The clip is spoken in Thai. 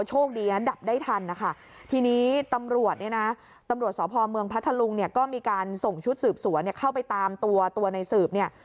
โชคดีนะดับได้ทันนะคะทีนี้ตำรวจเนี่ยนะตำรวจสพเมืองพัทธลุงเนี่ยก็มีการส่งชุดสืบสวนเนี่ยเข้าไปตามตัวตัวในสืบเนี่ย